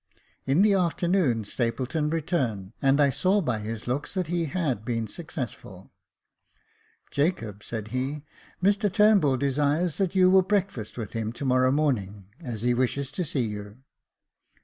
In the afternoon Stapleton returned, and I saw by his looks that he had been successful. " Jacob," said he, " Mr Turnbull desires that you will breakfast with him to morrow morning, as he wishes to see you."